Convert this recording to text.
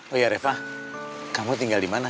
oh iya reva kamu tinggal dimana